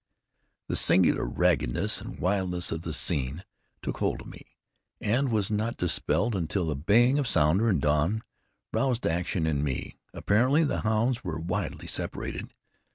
The singular raggedness and wildness of the scene took hold of me, and was not dispelled until the baying of Sounder and Don roused action in me. Apparently the hounds were widely separated.